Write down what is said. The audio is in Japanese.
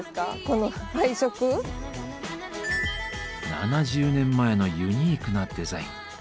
７０年前のユニークなデザイン。